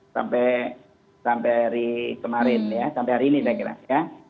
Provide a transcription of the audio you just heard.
sampai hari kemarin ya sampai hari ini saya kira ya